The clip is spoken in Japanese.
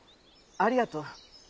ありがとう。